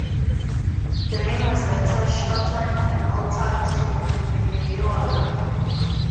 The name was later shortened and altered to "Mineola".